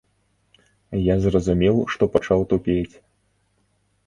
Я зразумеў, што пачаў тупець.